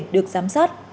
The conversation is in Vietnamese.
được giám sát